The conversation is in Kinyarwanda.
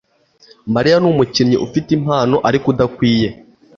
Mariya numukinnyi ufite impano ariko udakwiye